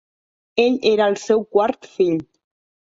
Ell era el seu quart fill.